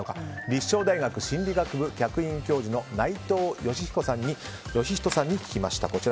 立正大学心理学部客員教授の内藤誼人さんに聞きました。